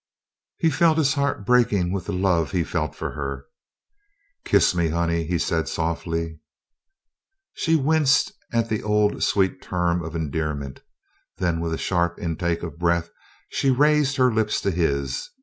He felt his heart breaking with the love he felt for her. "Kiss me Honey!" he said softly. She winced at the old sweet term of endearment, then with a sharp intake of breath she raised her lips to his.